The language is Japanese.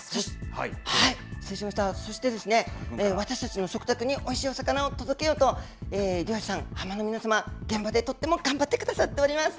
そして、私たちの食卓においしいお魚を届けようと、漁師さん、浜の皆様、現場でとっても頑張ってくださっております。